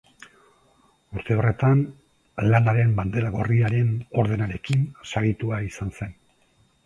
Urte horretan, Lanaren Bandera Gorriaren Ordenarekin saritua izan zen.